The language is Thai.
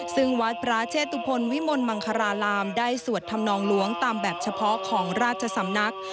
ซึ่งวัดพระเชตุพลวิมลมังคลารามได้สวดธรรมนองหลวงตามแบบเฉพาะของราชสำนัก